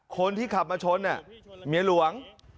คนที่ขับมาชนเมียหลวง